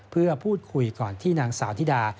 เพื่อพูดคุยก่อนที่นางสาวธิดา